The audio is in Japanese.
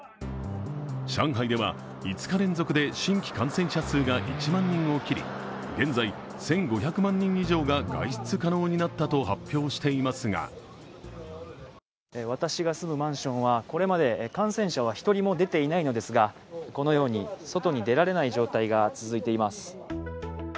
上海では５日連続で新規感染者数が１万人を切り、現在１５００万人以上が外出可能になったと発表していますが私が住むマンションはこれまで感染者は１人も出ていないのですがこのように外に出られない状態が続いています。